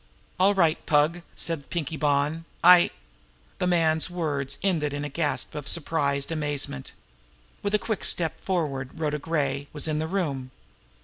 "All right, Pug," said Pinkie Bonn, "I " The man's words ended in a gasp of surprised amazement. With a quick step forward, Rhoda Gray was in the room.